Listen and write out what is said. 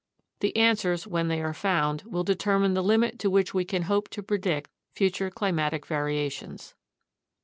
The answers, when they are found, will determine the limit to which we can hope to predict future climatic variations.